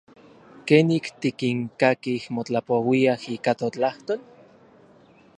¿Kenik tikinkakij motlapouiaj ika totlajtol?